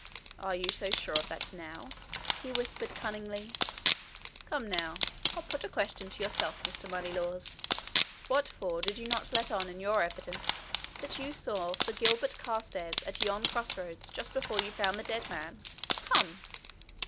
"Are you so sure of that, now?" he whispered cunningly. "Come now, I'll put a question to yourself, Mr. Moneylaws. What for did you not let on in your evidence that you saw Sir Gilbert Carstairs at yon cross roads just before you found the dead man? Come!"